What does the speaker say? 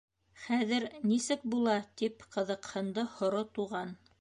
— Хәҙер... нисек була? — тип ҡыҙыҡһынды һоро Туған.